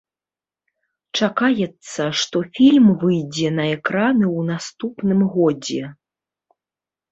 Чакаецца, што фільм выйдзе на экраны ў наступным годзе.